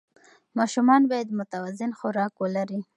ماشومان باید متوازن خوراک ولري.